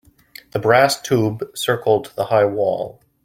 The brass tube circled the high wall.